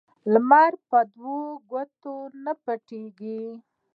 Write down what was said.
لمر په دوو ګوتو نه پټیږي